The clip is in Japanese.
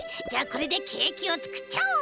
これでケーキをつくっちゃおう！